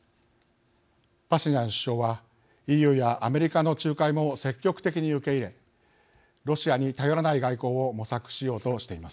パシニャン首相はＥＵやアメリカの仲介も積極的に受け入れロシアに頼らない外交を模索しようとしています。